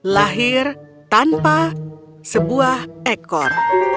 lahir tanpa sebuah ekor